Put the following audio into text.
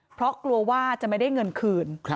เพราะกลัวว่าจะไม่ได้เงินคืน